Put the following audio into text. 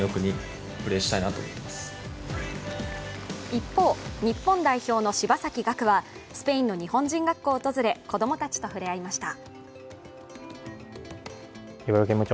一方、日本代表の柴崎岳はスペインの日本人学校を訪れ、子供たちと触れ合いました。